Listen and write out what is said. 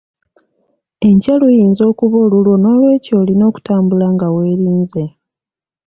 Enkya luyinza okuba olulwo n'olwekyo olina okutambula nga weerinze.